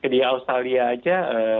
di australia saja